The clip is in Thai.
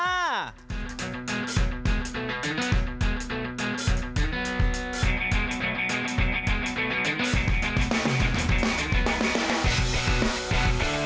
สวัสดีครับ